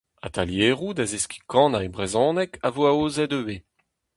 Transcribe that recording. Atalieroù da zeskiñ kanañ e brezhoneg a vo aozet ivez.